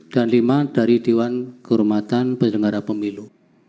dan lima dari dewan kehormatan pendengara pemilu